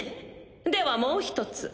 ではもう一つ。